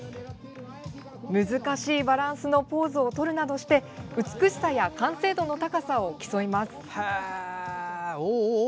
難しいバランスのポーズをとるなどして美しさや完成度の高さを競います。